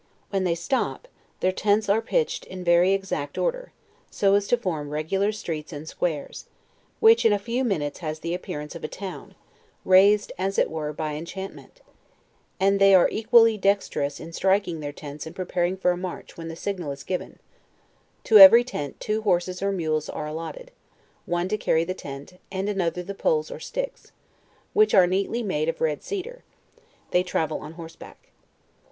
When they stop, their tents are pitch ed in very exact order, so as to form regular streets and squares, which in a few minutes has the appearance of a town, raised, as it were by enchantment; and they are equal ly dexterous in striking their tents and preparing for a march when the signal is given; to every tent two horses or mules are allotted, one to carry the tent, and another the poles or sticks, which are neatly made of red cedar, they travel on horseback.